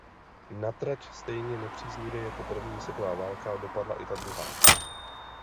Na trať stejně nepříznivě jako první světová válka dopadla i ta druhá.